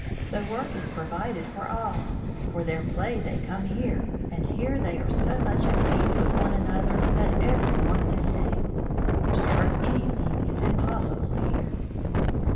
So work is provided for all. For their play they come here, and here they are so much at peace with one another that everyone is safe. To hurt anything is impossible here."